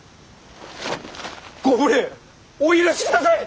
ご無礼お許しください！